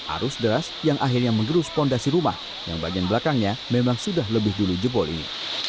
arus deras yang akhirnya mengerus fondasi rumah yang bagian belakangnya memang sudah lebih dulu jebol ini